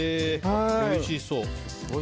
おいしそう。